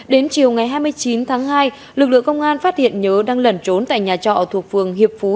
đến chiều ngày hai mươi chín tháng hai lực lượng công an phát hiện nhớ đang lẩn trốn tại nhà trọ thuộc phường hiệp phú